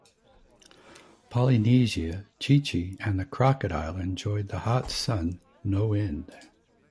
Polynesia, Chee-Chee and the crocodile enjoyed the hot sun no end.